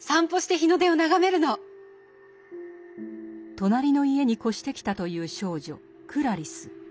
隣の家に越してきたという少女クラリス。